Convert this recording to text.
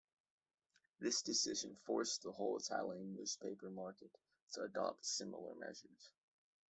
This decision forced the whole Italian newspaper market to adopt similar measures.